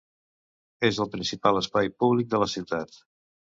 És el principal espai públic de la ciutat.